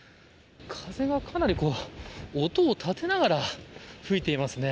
風がかなり音を立てながら吹いていますね。